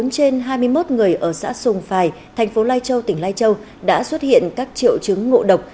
một mươi trên hai mươi một người ở xã sùng phài thành phố lai châu tỉnh lai châu đã xuất hiện các triệu chứng ngộ độc